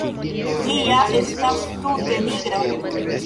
Li ja estas tute nigra!